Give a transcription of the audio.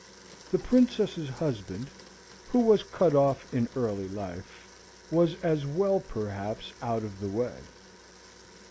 The Princess's husband, who was cut off in early life, was as well perhaps out of the way.